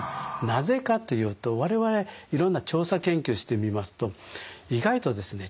なぜかというと我々いろんな調査研究してみますと意外とですね